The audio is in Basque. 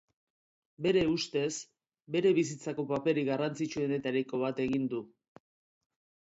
Bere uztez, bere bizitzako paperik garrantzitsuenetariko bat egin du.